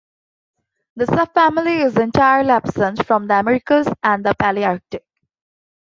The subfamily is entirely absent from the Americas and the Palaearctic.